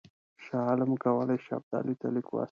شاه عالم کولای شي ابدالي ته لیک واستوي.